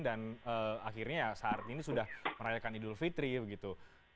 dan akhirnya saat ini sudah merayakan idul fitri ya begitu